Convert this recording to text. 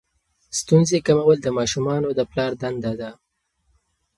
ستونزې کمول د ماشومانو د پلار دنده ده.